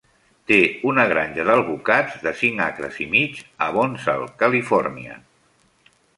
Té una granja d'alvocats de cinc acres i mig a Bonsall, Califòrnia.